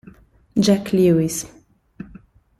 Jack Lewis